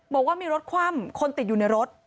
บอกว่ามีรถคว่ำคนติดอยู่ในรถ